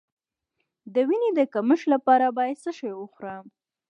د وینې د کمښت لپاره باید څه شی وخورم؟